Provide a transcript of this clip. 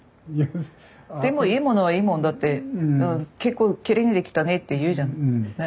でもいいものはいいもんだって結構きれいに出来たねって言うじゃん。ね。